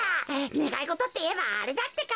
ねがいごとっていえばあれだってか。